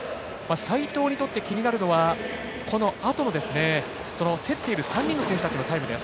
齋藤にとって気になるのはこのあとの競っている３人の選手たちのタイムです。